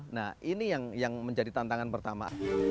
nah ini yang menjadi tantangan pertama